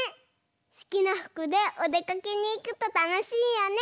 すきなふくでおでかけにいくとたのしいよね。